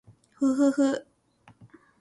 ふふふ